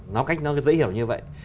nói cách nó dễ hiểu như vậy